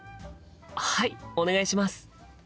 はいお願いします！